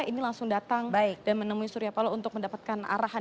ini langsung datang dan menemui surya paloh untuk mendapatkan arahan